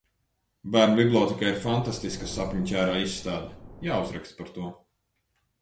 Bērnu bibliotēkā ir fantastiska sapņu ķērāju izstāde! Jāuzraksta par to.